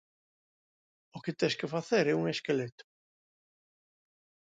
O que tes que facer é un esqueleto.